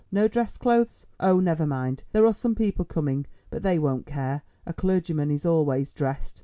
No dress clothes? Oh, never mind; there are some people coming but they won't care; a clergyman is always dressed.